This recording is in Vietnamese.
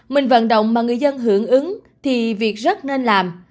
mình vận động mà người dân hưởng ứng thì việc rất nên làm